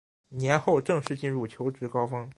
年后正式进入求职高峰